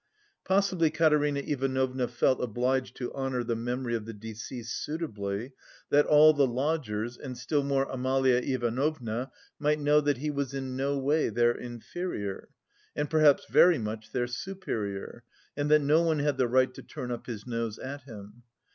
Possibly Katerina Ivanovna felt obliged to honour the memory of the deceased "suitably," that all the lodgers, and still more Amalia Ivanovna, might know "that he was in no way their inferior, and perhaps very much their superior," and that no one had the right "to turn up his nose at him."